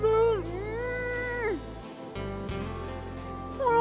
うん！